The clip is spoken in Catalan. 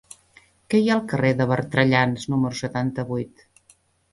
Què hi ha al carrer de Bertrellans número setanta-vuit?